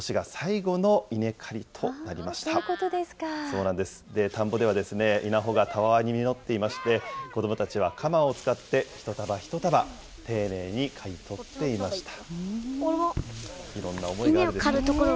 田んぼでは稲穂がたわわに実っていまして、子どもたちは鎌を使って、一束一束、丁寧に刈り取っていました。